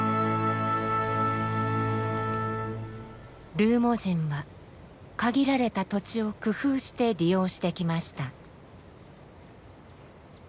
ルーモ人は限られた土地を工夫して利用してきました。